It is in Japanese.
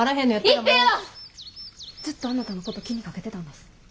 一平はずっとあなたのこと気にかけてたんだす。